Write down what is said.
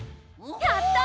やった！